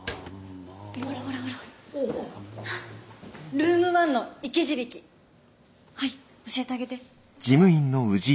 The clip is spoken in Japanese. ルーム１の生き字引はい教えてあげて。